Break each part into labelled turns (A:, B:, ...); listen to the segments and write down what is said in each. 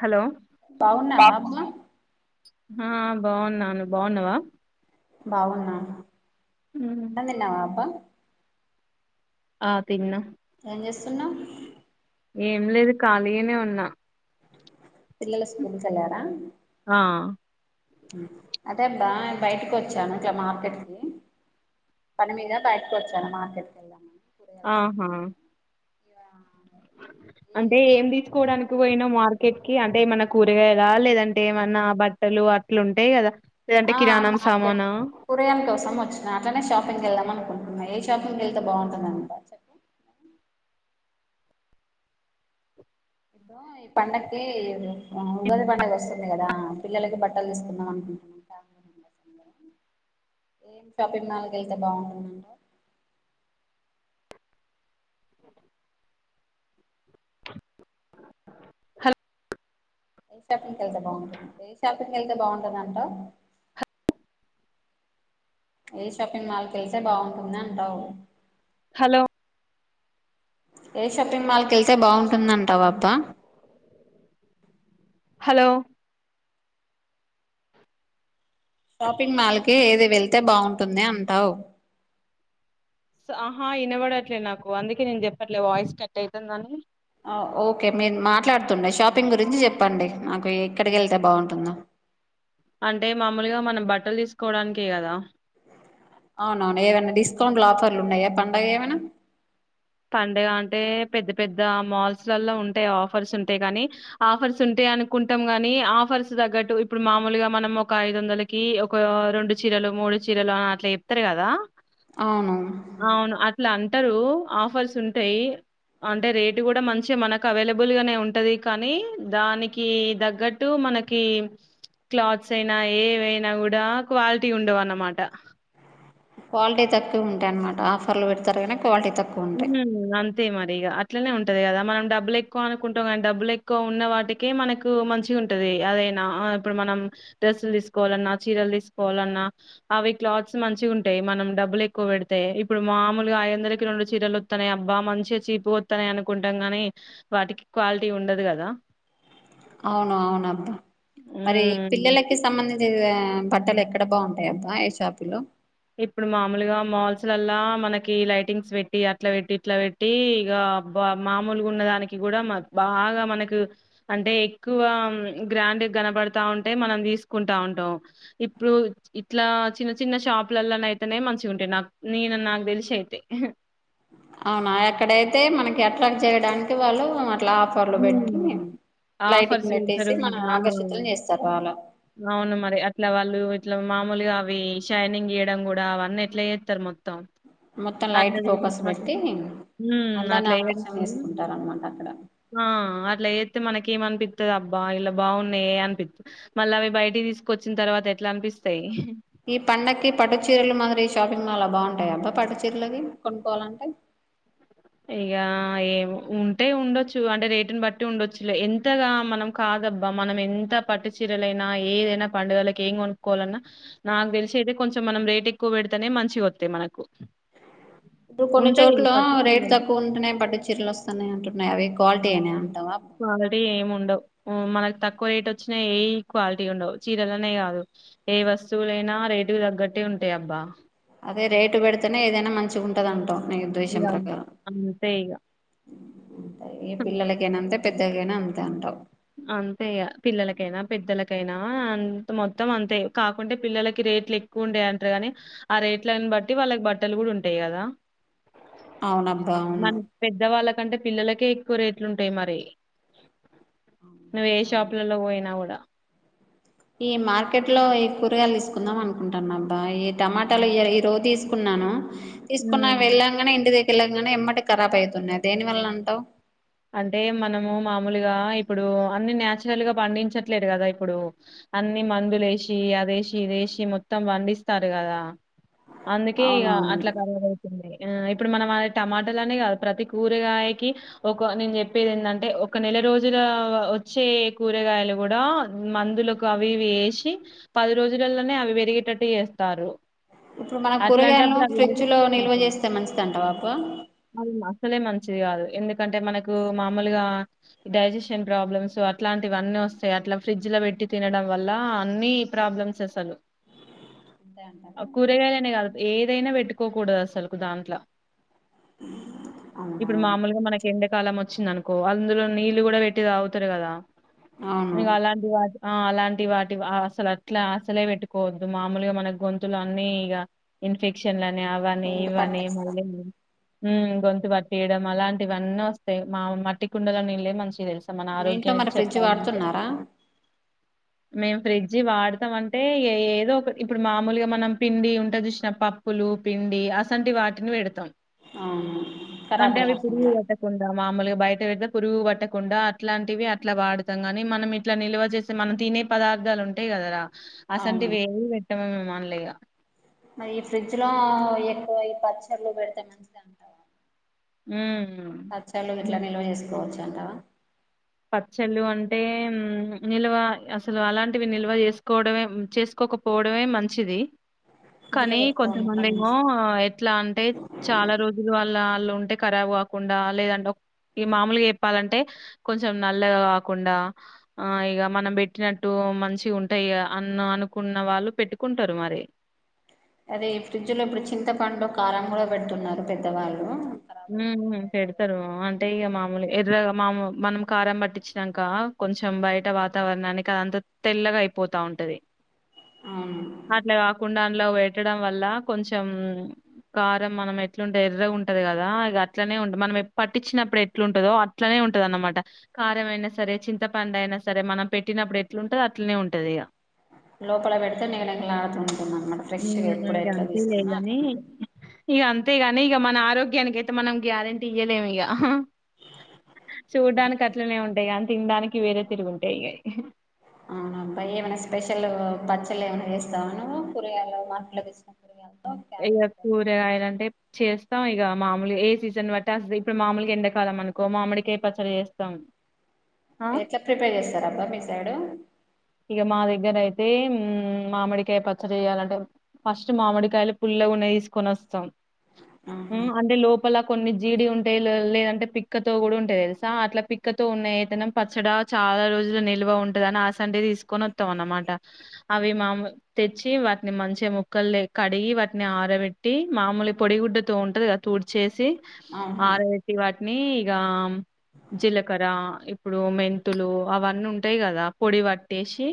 A: Hello
B: బవున్నావ [unintelligible]
A: ఆ బాగున్నాను బాగున్నావా
B: బాగున్నా అన్నం తిన్నావా అబ్బా
A: ఆ తిన్న
B: ఏం చేస్తున్నావ్
A: ఏం లేదు ఖాళీగనే ఉన్నా
B: పిల్లల స్కూల్కి కెళ్ళారా
A: ఆ
B: అదే బ్బా బయటకి వచ్చాను ఇగ మార్కెట్ కి పని మీద బయటకు వచ్చాను మార్కెట్ కి వెళ్దామని
A: ఆహా
B: యా
A: అంటే ఏం తీసుకోవడానికో పోయినవ్ మార్కెట్ కి అంటే ఏమన్నా కూరగాయలా లేదంటే ఏమన్నా బట్టలు అటిలుంటాయి కదా లేదంటే
B: ఆ
A: కిరాణం
B: మార్కెట్
A: సామానా
B: కూరగాయల్ కోసం వచ్చిన అట్లనే షాపింగ్కి చేయడానిక్ అనుకుంటున్నా ఏ షాపింగ్ వెళ్తే బాగుంటుందని చెప్ప ఇప్పుడు ఈ పండక్కి ఉగాది పండగ వస్తుంది కదా పిల్లలకి బట్టలు తీసుకుందాం అనుకుంటున్నా ఏం షాపింగ్ మాల్కి వెళ్తే బాగుంటుందంటవ్
A: హాల్
B: ఏ షాపింగ్కి వెళ్తే బాగుంటుంది ఏ షాపింగ్ వెళ్తే బాగుంటుందంటవ్ ఏ షాపింగ్ మాల్ కి వెళ్తే బాగుంటుంది అంటావు
A: హలో
B: ఏ షాపింగ్ మాల్ కి వెళ్తే బాగుంటుందంటావ్ అబ్బా
A: హలో
B: షాపింగ్ మాల్ కి ఏది వెళ్తే బాగుంటుంది అంటావు
A: హా హా ఇనబడట్లే నాకు అందుకే నేను చెప్పట్లే వాయిస్ కట్ అవుతుందని
B: ఓకే మీరు మాట్లాడుతుండే షాపింగ్ గురించి చెప్పండి నాకు ఎక్కడికి వెళ్తే బాగుంటుందో
A: అంటే మామూలుగా మనం బట్టలు తీసుకోవడానికే కదా
B: అవునవును ఏమైనా డిస్కౌంట్లు ఆఫర్లు ఉన్నాయా పండగ ఏమైనా
A: పండగ అంటే పెద్ద పెద్ద మాల్సల్ల ల్లా ఉంటాయి ఆఫర్స్ ఉంటాయి కాని ఆఫర్స్ ఉంటాయి అనుకుంటాం కాని ఆఫర్స్ తగ్గట్టు ఇప్పుడు మామూలుగా మనం ఒక ఐదు వందలకి ఒక రెండు చీరలు మూడు చీరలు ఆ అట్లా చెప్తారు కదా
B: అవును
A: అట్ల అంటారు ఆఫ్ ఫర్స్ ఉంటయి అంటే రేటు కూడా మంచిగా మనకు అవైలబుల్గానే ఉంటుంది కానీ దానికి తగ్గట్టు మనకి క్లాత్స్ అయినా ఏవైనా కూడా క్వాలిటీ ఉండవున్నమాట
B: క్వాలిటీ తక్కువ ఉంటాయి అనమాట ఆఫర్లు పెడతరుగని క్వాలిటీ తక్కువుంటాయి
A: తే మరి అట్లనే ఉంటది కదా మనం డబ్బులు ఎక్కువ అనుకుంటాం కానీ డబ్బులు ఎక్కువ ఉన్న వాటికే మనకు మంచి ఉంటది అదైనా ఇప్పుడు మనం డ్రెస్సులు తీసుకోవాలన్నా చీరలు తీసుకోవాలన్నా అవి క్లాత్స్ మంచిగుంటాయి మనం డబ్బులు ఎక్కువ పెడితే ఇప్పుడు మామూలుగా ఐదువందలకి రెండు చీరలు వత్తనయి అబ్బా మంచిగా చీపుగా వత్తానయీ అన్నాడు అనుకుంటాం గానీ వాటికి క్వాలిటీ ఉండదు గదా
B: అవును అవును అబ్బా మరీ
A: హ్మ్.
B: పిల్లలకి సంబంద్ దించి ఆ బట్టలు ఎక్కడ బాగుంటాయి అబ్బా ఏ షాపుల్లో
A: ఇప్పుడు మామూలుగా మాల్స్లల్లా మనకి లైటింగ్స్ పెట్టి అట్లా పెట్టి ఇట్లా పెట్టి ఇగా మామూలుగా ఉన్న దానికి కూడా బాగా మనకు అంటే ఎక్కువ గ్రాండ్ కనబడుతాయింటాయి మనం తీసుకుంటా ఉంటాం ఇప్పుడు ఇట్లా చిన్న చిన్న షాప్ అప్పులలో అయితేనే మంచిగా ఉంటే నాకు నేన నాకు తెలిసి అయితే
B: అవునా ఎక్కడైతే మనకి ఎట్లా చేయడానికి వాళ్ళు అట్లా ఆఫర్లు పెట్టి లైటింగ్
A: ఆఫర్స్
B: పెట్టేసి
A: వెతారు
B: మనం
A: మరి
B: ఆకర్షితులను చేస్తారు వాళ్ళు
A: అవును మరి అట్లా వాళ్ళు అట్లా మామూలుగా అవి షైనింగ్ ఇయడం కూడా అవన్నీ ఎట్లా చేస్తారు మొత్తం
B: మొత్తం
A: అట్లా
B: లైట్ ఫోకస్ పెట్టి అందాన్ని ఆకర్షణ
A: అట్లాడం
B: చేసుకుంటారు అనమాట అక్కడ
A: అట్లా చేతే మనకి ఏమ అనిపిస్తుది అబ్బా ఇలా బాగున్నాయి అనిపిస్తు మళ్ళీ అవి బయటికి తీసుకొచ్చిన తర్వాత ఎట్లా అనిపిస్తాయి
B: ఈ పండక్కి పట్టు చీరలు మాదిరి షాపింగ్ మాల్ బాగుంటాయి అబ్బా పట్టుచీరులకి కొను పోవాలంటే
A: ఇక ఏ ఉంటే ఉండొచ్చు అంటే రేటుని బట్టి ఉండొచ్చు ఎంతగా మనం కాదబ్బా మనం ఎంత పట్టు చీరలైనా ఏదైనా పండుగలకి ఏం కొనుక్కోవాలన్నా నాకు తెలిసి అయితే కొంచెం మనం రేటు ఎక్కువ పెడితేనే మంచి వస్తాయి మనకు
B: ఇప్పుడు కొన్ని
A: ఉంటాయి
B: చోట్ల
A: పట్టు
B: రేట్
A: చీరలు
B: తక్కువ ఉంటేనే పట్టు చీరలు వస్తయి సన్నాయంట అవి క్వాలిటీ ఏనే అంటావా
A: క్వాలిటీ ఏమి ఉండవు మనకు తక్కువ రేట్ వచ్చినా ఏ క్వాలిటీ ఉండవు చీరలనే కాదు ఏ వస్తువులైనా రేటుకి తగ్గట్టే ఉంటాయి అబ్బా
B: అదే రేటు పెడితేనే ఏదైనా మంచిగా ఉంటదింటాం
A: ఇగ తెయగా
B: అంత ఈ పిల్లకినంత పెద్దగానా అంతే అంటావు
A: అంతే పిల్లలకైనా పెద్దలకైనా అంత మొత్తం అంతే కాకుంటే పిల్లలకి రేట్లు ఎక్కువ ఉండాయి అంటారు కాగాని ఆ రేట్ని బట్టి వాళ్ళకి బట్టలు కూడా ఉంటాయి కదా
B: అవునబ్బా అవును
A: ఎకంటే పిల్లలకే ఎక్కువ రేట్లు ఉంటాయి మరి నువ్వు ఏ
B: అవును
A: షాపులలో కు పోయినా కూడా
B: ఈ మార్కెట్ లో ఈ కూరగాయలు తీసుకుందాం అనుకుంటాను అబ్బా ఈ టమాటాలు ఈ రోజు తీసుకున్నాను తీసుకున్నా
A: ఉమ్
B: వెళ్ళాంగానే ఇంటి దగ్గర లంగానే ఎమ్మటి ఖరాబ్ అవుతున్నాయి దేనివల్లన అంటావు
A: అంటే మనము మామూలుగా ఇప్పుడు అన్ని నయాచురల్ గా పండించట్లేదు కదా ఇప్పుడు అన్ని మందులు వేసి అద వేసి ఇది వేసి మొత్తం పండిస్తారు కదా అందుకే ఇక
B: అవునవును
A: అట్లా ఖరాల అవుతుంది ఆ ఇప్పుడు మనం అది టమాటలు అనే కాదు ప్రతి కూరగాయకి ఒక నేను చెప్పేది ఏంటంటే ఒక నెల రోజుల వచ్చే కూరగాయలు కూడా మందులకు అవి వేసి పది రోజులలోనే అవి పెరిగేటట్టు చేస్తారు
B: ఇప్పుడు మన కూరగాయలను ఫ్రిడ్జ్ లో నిల్వ చేస్తే మంచిదంట బప
A: మంచిది కా అదు ఎంత ఎందుకంటే మనకు మామూలుగా డైజెషన్ ప్రాబ్లమ్స్ అట్లాంటివన్నీ వస్తాయి అట్లా ఫ్రిడ్జ్ లో పెట్టి తినడం వల్ల అన్ని ప్రాబ్లమ్స్ అసలు
B: అంతే అంటావా
A: కూరేగాళ క ఏదైనా పెట్టుకోకూడదు అసలు దాంట్లో
B: అవునా
A: ఇప్పుడు మామూలుగా మనకి ఎండకాలం వచ్చింది అనుకో అందులో నీళ్ళలు కూడా పెట్టి తాగుతారు కదా
B: అవును
A: నిగాలడి అజ ఆ అలాంటి వాటి అసలు అట్లా అసలే పెట్టుకోవద్దు మామూలుగా మన గొంతులు అన్ని ఇక ఇన్ఫెక్షన్ అవానే
B: గొంతు
A: ఇవానే
B: పట్టేస్తా
A: మళ్ళ హ గొంతతు పర్తి ఇడమ్ అలా అంత ఇవన్నీ వస్తాయి మా మట్టి కుండలో నీళ్ళే మంచిగా తెలుసు మన
B: మీ ఇంట్లో
A: ఆగ్యానికి
B: మరి ఫ్రిడ్జ్
A: చెప్పాలే
B: వాడుతున్నారా
A: మే ఫ జీ వాడతాం అంటే ఏ ఏదో ఒక ఇప్పుడు మామూలుగా మనం పిండి ఉంటే చూసిన పప్పులు పిండి అసంటి వాటిని పెడతాం
B: కరాబ్
A: కుడిగాటకు ఉంద మామూలుగా బయట పెడతే పురుగు పట్టకుండా అట్లాంటివి అట్లా వాడుతాం గాని మనం ఇట్లా నిల్వ చేస్తే మనం తినే పదార్థాలు ఉంటాయి కదరా అసంటి
B: అవును
A: వే మనలేగా
B: మరి ఈ ఫ్రిడ్జ్ లో ఎక్కువ ఈ పచ్చర్లు పెడితే మంచిది అంటావా
A: హ
B: పచ్చలు ఇట్లా నిల్వ చేసుకోవచ్చు చందవా
A: పచ్చళ్ళు అంటే నిల్వ అసలు అలాంటివి నిల్వ చేసుకోవడమే చేసుకోకపోవడమే మంచిది
B: ఫ్రిడ్జ్ లో
A: కానీ
B: పెట్టుకోవడం
A: కొంతమంది
B: కన్నా
A: ఏమో ఎట్లా అంటే చాలా రోజులు వాల్ల ఉంటే ఖరాబ్ కాకుండా లేదంటే ఈ మామూలుగా చెప్పాలంటే కొంచెం నల్లగా కాకుండా ఆ ఇక మనం పెట్టినట్టు మంచి ఉంటాయి అన్న అనుకున్న వాళ్ళు పెట్టుకుంటారు మరి
B: అదే ఫ్రిడ్జ్ లో ఇప్పుడు చింతపండులు కారం కూడా పెడుతున్నారు పెద్దవాళ్ళు ఖరాబ్ అయితది
A: పెడతారు అంటే ఇక
B: ఫ్రిడ్జ్ లోనే
A: మామూలు
B: పెడతారు.
A: ఎర్ర మామూలు మనం కారం పట్టించాక కొంచెం బయట వాతావరణానికి అదంతా తెల్లగా అయిపోతా ఉంటది
B: అవును
A: అట్లే తకుడాలో పెట్టడం వల్ల కొంచెం కారం మనం ఎట్లుంటే ఎర్రగా ఉంటది కదా ద ఇక అట్నే ఉంటుంది మనం పట్టించినప్పుడు ఎట్లుంటదో అట్లనే ఉంటద అన్నమాట కారంమయినా సరే చింత పండు అయినా సరే మనం పెట్టినప్పుడు ఎట్లుంటదో అట్లనే ఉంటది ఇక
B: లోపల పెడితే నిఘానిఘాలాడుతూంటుంది అన్నమాట ఫ్రెష్ గా
A: హ్మ్
B: ఇప్పుడ ఎట్లా తీసుకుందో అట్టన
A: ఇక అంతేగాని ఇక మన ఆరోగ్యం దీనికైతే మనం గ్యారంటీ ఇయ్యలేము అయ్యా చూడ్డానికి అట్లనే ఉంటాయి అంత తినడానికి వేరే తిరుగుంటాయి ఇ
B: అవునబ్బ ఏమైనా స్పెషల్ పచ్చళ్ళు ఏమైనా వేస్తావా నువ్వు కూరగాయలు మార్కెట్ లోకి తెచ్చినా కూరగా
A: ఇ కూరగాయలాంటే చేస్త ఇస్తాం ఇక మామూలుగా ఏ సీజన్ బట్టి అస ఇప్పుడు మామూలుగా ఎండాకాలం అనుకో మామిడికాయ పచ్చడి చేస్తాం ఆ
B: ఎట్లా ప్రిపేర్ చేస్తార అబ్బా మీ సైడు
A: ఇక మా దగ్గర అయితే మామిడికాయ పచ్చడి చెయాలంటే ఫస్ట్ మామిడికాయలు పుల్లగా ఉన్నాయి తీసుకొని వస్తాం
B: ఆహా
A: హమ్ అంట లో లోప్పలా కొన్ని జీడి ఉంటాయి లేదంటే పిక్కతో కూడా ఉంటాది తెలుసా అట్లా పిక్కతో ఉన్న అయితేనేం పచ్చడా చాలా రోజుల నిల్వ ఉంటుదని ఆ అండే తీసుకొని వస్తాం అనమాట అవి మాములు తెచ్చి వాటిని మంచిగా ముక్కలు కడిగి వాటిని ఆరబెట్టి మామూలు పొడిగుడ్డతో ఉంటాది కదా తుడ్చేసి
B: అవును
A: ఆరబెట్టి వాట్ ని ఇగ జీలకర్ర ఇప్పుడు మెంతులు అవన్నీ ఉంటయి గదా పొడి వట్టేషి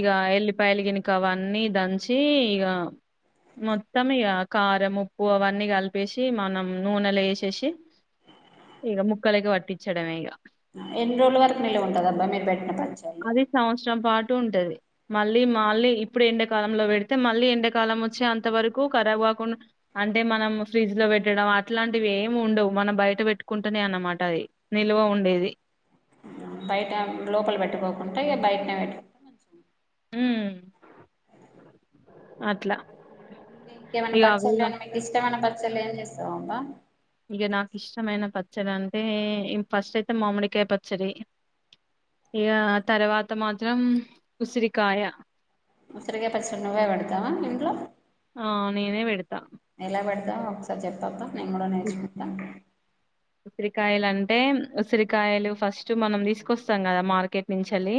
A: ఇగ ఎల్లిపాయల గినుక అవన్నీ దంచి ఇగ మొత్తం ఇగ కారము ఉప్పు అవన్నీ గలిపేషి మనం నూనెలో ఏశేసి ఇగ ముక్కలకి వట్టించడమే ఇగ
B: ఎన్ని రోజుల వరకు నిలవ ఉంటదబ్బా మీర్ వెట్టిన ప
A: అదే సంవచరం పాటు టుంటది మళ్ళీ మాళ్ళీ ఇప్పుడు ఎండకాలంలో వెడితే మళ్ళీ ఎండాకాలం ఒచ్చే అంత వరకు కరాబు గాకుండా అంటే మనము ఫ్రిడ్జ్ ల వెట్టడం అట్లాంటివి ఏమి ఉండవు, మనం బయట వెట్టుకుంటనే అన్నమాట అది నిల్వ ఉండేది.
B: ఉమ్ బయట లోపల బెట్టుకోకుంటె బయటనే వెట్టుకుంటె మంచిగుం
A: అట్ల
B: ఇంగ ఇంకేమన్నా పచ్చలని మీకు ఇష్టమైన ప పచ్చలు ఏం జేస్తవమ్మ
A: ఇగ నాకిష్టమైన ప చ్చడంటే ఇం ఫస్ట్ అయితే మామిడికాయ పచ్చడి, ఇగ తర్వాత మాత్రం ఉసిరికాయ.
B: ఉస్రిగాయ పచ్చడ నువ్వే వెడతవా ఇంట్లో
A: ఆ నేనే వెడతా
B: ఎలా వెడతావ్ ఒకసారి జెప్ పాప నేంగూడా నేర్చుగుంట్న
A: ఉసిరికాయలు అంటే ఉసిరికాయలు ఫస్ట్ మనం దీసుకొస్తాం గదా మార్కెట్ నుంచెలి.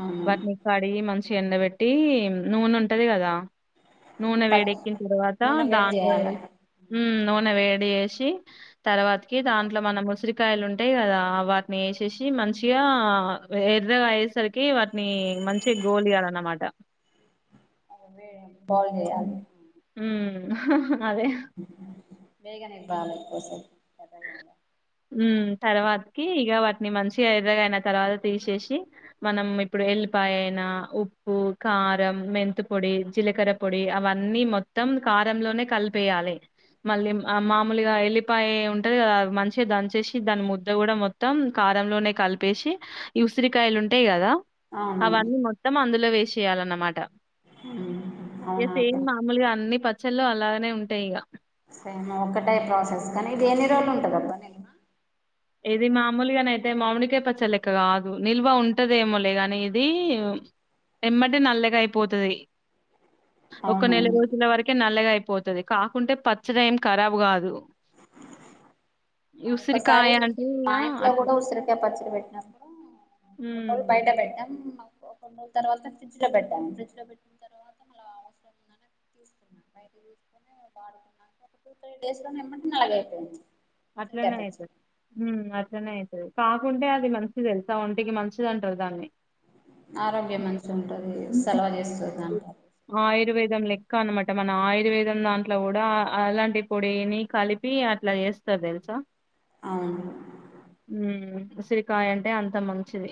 B: అవును
A: వాటిని కడిగి మం చి ఎండబెట్టి నూనుంటది గదా నూనె
B: పచ్చి
A: వేడెక్కిన తర్వాత
B: నూనె వేడి
A: దాంట్లో
B: చేయాలి
A: ఊమ్ నూనె వే డియేషి తర్వా కి దాంట్లో మనం ముసిరి కాయలు ఉంటయి కదా వాటిని ఏశేషి సి మంచిగా ఎర్రగ అయ్యేసరికి వాటిని మంచి గోలియలన్నమాట
B: అదే
A: ఊమ్ అహ హ
B: బేగనేగి వాలెట్ కోసం పద
A: తర్వాత్కి ఇగ వాటిని మంచిగా ఎర్రగయిన తర్వాత తీషేసి మనం ఇప్పుడు ఎల్లిపాయ అయినా ఉప్పు కారం మెంతుపొడి జిలకర పొడి అవన్నీ మొత్తం కారంలోనే కలిపేయాలె మళ్ళీ అ మామూలుగా ఎల్లిపాయ ఉం టె మంచిగ దంచేసి దాని ముద్ద గూడా మొత్తం కారంలోనే కలిపేషి ఉసిరికాయలు ఉంటయి గదా
B: అవును
A: అవన్నీ మొత్తం అందులో వేషి ఏయాలన్నమాట
B: అవునా
A: రేపేం
B: అబ్బా.
A: మామూలుగా అన్ని ప చెల్లు అలాగనే ఉంటయి ఇగ
B: సేమ్ ఒకటే ప్రాసెస్ కని ఇది ఎన్ని రోజులు ఉంటుందబ్బ నిల్మ
A: ఏది మామూలుగాని అయితే మామని పచ్చ లెక్క కాదు నిల్వ ఉంటదేమోలేగాని ఇది ఎమ్మటి నల్లెగ అయిపోతుది ఒక్క
B: అవును
A: నెల రోజుల వరకే నల్లగా అయిపో అ పోతుది కాకుంటే పచ్చడి ఏం ఖరాబ్ కాదు
B: ఒకసారి
A: ఉసిరికాయ
B: మా ఇంట్లో
A: అట్ల
B: కూడా ఉసిరికాయ పచ్చడి పెట్టినప్పుడు బయట
A: హ్మ్.
B: పెట్టాం న్ని రోజుల తర్వాత ఫ్రిడ్జ్ లో పెట్టాను ఫ్రిడ్జ్ లో పెట్టిన తర్వాత మళ్ళ అవసరం ఉందని తీకున్నాం బయట తీసుకుని వాడుతున్నా టూ త్రీ డేస్ లో నిమ్మంటంది అలాగైపోయింది
A: అట్లనే అవుతే ఉ అ ఇనే అవుతుంది కాకుంటే అది మంచిది తెలుసా ఒంటికి మంచిది అంటారు దాన్ని
B: ఆరోగ్యం మంచి ఉంటుంది
A: హ్మ్.
B: సలవు చేస్తుంది అంటారు
A: ఆయుర్వేదం లెక్క అనమాట మన ఆయుర్వేదం దాంట్లో కూడా అలాంటి పొడిని కలిపి అట్లా చేస్త తెల్సా
B: అవును
A: ఉసిరికాయ అంటే అంత మంచిది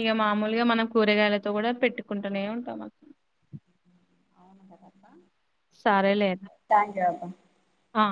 A: ఇక మామూలుగా మనం కూరగాయలతో కూడా పెట్టుకుంటూనే ఉంటాం అసలు
B: థ్యాంక్యు
A: ఆ